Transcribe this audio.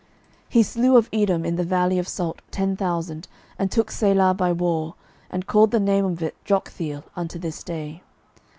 12:014:007 He slew of Edom in the valley of salt ten thousand, and took Selah by war, and called the name of it Joktheel unto this day.